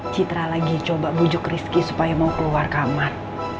citra lagi coba bujuk rizky supaya mau keluar kamar